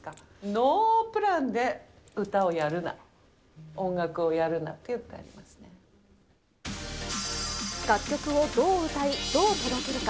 ノープランで歌をやるな、楽曲をどう歌い、どう届けるか。